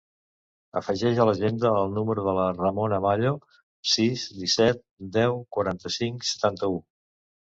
Afegeix a l'agenda el número de la Ramona Mallo: sis, disset, deu, quaranta-cinc, setanta-u.